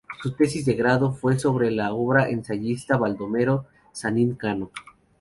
Su tesis de grado fue sobre la obra del ensayista Baldomero Sanín Cano.